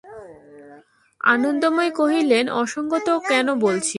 আনন্দময়ী কহিলেন, অসংগত কেন বলছিস?